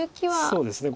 そうですね